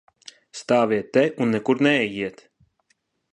Stāviet te un nekur neejiet!